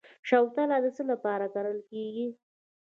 شوتله د څه لپاره کرل کیږي؟